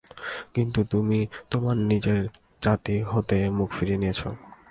কিন্তু তুমি তোমার নিজ জাতি হতে মুখ ফিরিয়ে নিয়েছো।